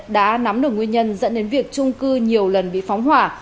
đã nắm được nguyên nhân dẫn đến việc trung cư nhiều lần bị phóng hỏa